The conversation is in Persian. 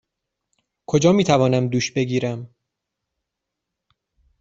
کجا می توانم دوش بگیرم؟